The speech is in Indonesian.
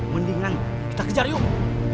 mendingan kita kejar yuk